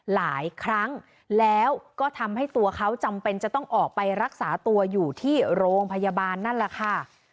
หลายครั้งแล้วก็ทำให้ตัวเขาจำเป็นจะต้องออกไปรักษาตัวอยู่ที่โรงพยาบาลนั่นแหละค่ะ